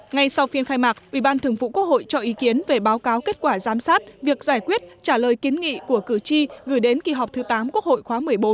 ngay sau phiên khai mạc ủy ban thường vụ quốc hội cho ý kiến về báo cáo kết quả giám sát việc giải quyết trả lời kiến nghị của cử tri gửi đến kỳ họp thứ tám quốc hội khóa một mươi bốn